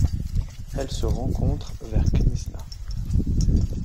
Elle se rencontre vers Knysna.